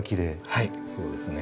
はいそうですね。